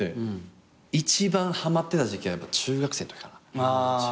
一番はまってた時期はやっぱ中学生んときかな。